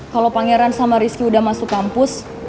kalau pangeran sama rizky udah masuk kampus